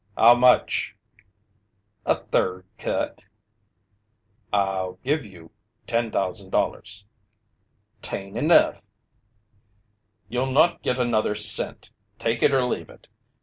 "How much?" "A third cut." "I'll give you $10,000." "'Tain't enough." "You'll not get another cent. Take it or leave it.